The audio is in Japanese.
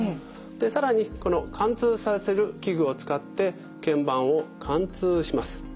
で更にこの貫通させる器具を使ってけん板を貫通します。